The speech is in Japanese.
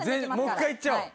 もう一回いっちゃおう。